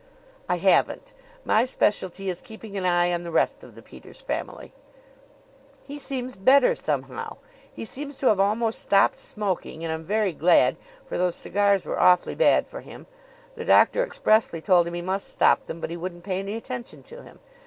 "I haven't. My specialty is keeping an eye on the rest of the Peters family." "He seems better somehow. He seems to have almost stopped smoking and I'm very glad, for those cigars were awfully bad for him. The doctor expressly told him he must stop them, but he wouldn't pay any attention to him.